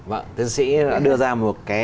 vâng thiên sĩ đã đưa ra một cái